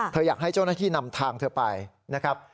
อยากให้เจ้าหน้าที่นำทางเธอไปนะครับ